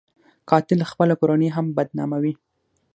قاتل خپله کورنۍ هم بدناموي